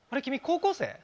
君高校生？